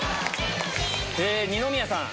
二宮さん。